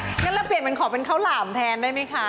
นั่นแล้วเปลี่ยนมันขอเป็นข้าวหลามแทนได้ไหมคะ